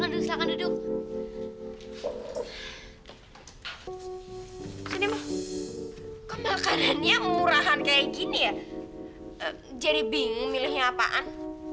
tentu mau beri makan kalo yok nukeran kayak gini ya jeri bing untuk milih ngapain